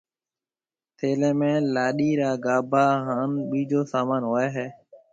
ٿَيلي ۾ لاڏيِ را گاڀاها هانَ ٻِيجو سامان هوئي هيَ۔